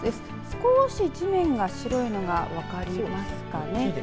少し地面が白いのが分かりますかね。